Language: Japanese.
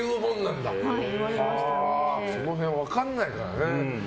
その辺、分からないからね。